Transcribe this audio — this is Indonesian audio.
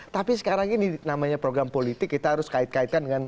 tapi sekarang ini namanya program politik kita harus kait kaitkan dengan